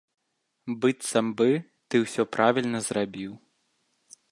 Быццам бы, ты ўсё правільна зрабіў.